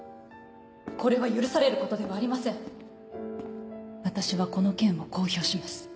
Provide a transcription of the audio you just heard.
これは許されることではあり私はこの件を公表します